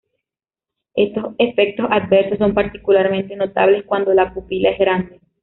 Estos efectos adversos son particularmente notables cuando la pupila es grande.